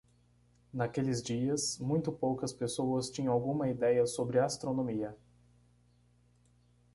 Naqueles dias?, muito poucas pessoas tinham alguma ideia sobre astronomia.